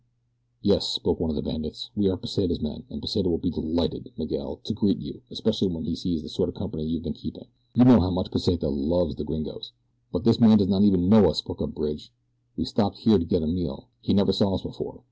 "Yes," spoke up one of the bandits, "we are Pesita's men, and Pesita will be delighted, Miguel, to greet you, especially when he sees the sort of company you have been keeping. You know how much Pesita loves the gringos!" "But this man does not even know us," spoke up Bridge. "We stopped here to get a meal. He never saw us before.